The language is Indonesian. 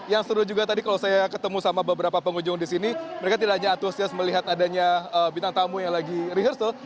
yang seru juga tadi kalau saya ketemu sama beberapa pengunjung di sini mereka tidak hanya antusias melihat adanya bintang tamu yang lagi rehearsal